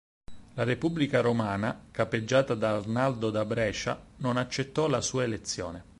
La Repubblica romana, capeggiata da Arnaldo da Brescia, non accettò la sua elezione.